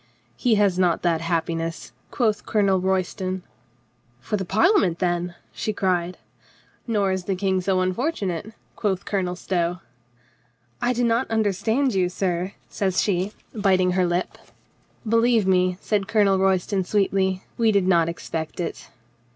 "He has not that happiness," quoth Colonel Roy ston. "For the Parliament, then?" she cried. "Nor is the King so unfortunate," quoth Colonel Stow. "I do not understand you, sir," says she, biting her lip. lo COLONEL GREATHEART "Believe me," said Colonel Royston sweetly, "we did not expect it."